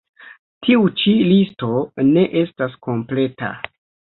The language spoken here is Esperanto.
Tiu ĉi listo ne estas kompleta.